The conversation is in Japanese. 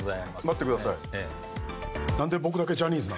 待ってください。